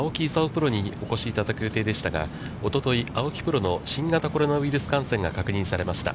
プロにお越しいただく予定でしたが、おととい、青木プロの新型コロナウイルス感染が確認されました。